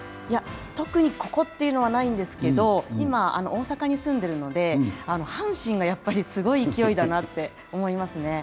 特にここっていうのはないんですけど今、大阪に住んでいるので阪神がやっぱりすごい勢いだなと思いますね。